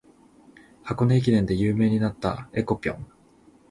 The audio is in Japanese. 箱根駅伝で有名になった「えこぴょん」